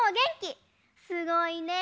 すごいね！